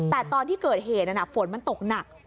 แต่ตอนที่เกิดเหตุนั้นฝนมันตกหนัก